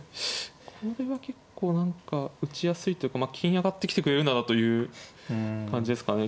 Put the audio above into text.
これは結構何か打ちやすいというか金上がってきてくれるならという感じですかね。